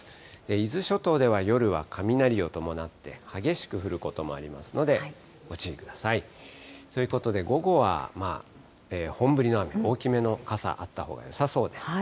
伊豆諸島では、夜は雷を伴って激しく降ることもありますので、ご注意ください。ということで、午後は本降りの雨、大きめの傘あったほうがよさそうです。